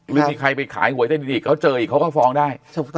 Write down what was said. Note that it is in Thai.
หรือที่ใครไปขายหัวไอ้ใจดีเขาเจออีกเขาก็ฟ้องได้